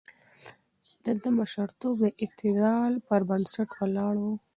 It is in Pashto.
د ده مشرتوب د اعتدال پر بنسټ ولاړ و.